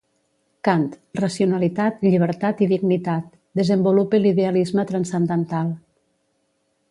Kant: racionalitat, llibertat i dignitat; desenvolupe l'idealisme transcendental.